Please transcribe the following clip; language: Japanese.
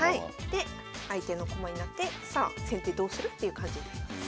で相手の駒になってさあ先手どうする？っていう感じになります。